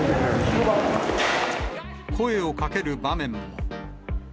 声をかける場面も。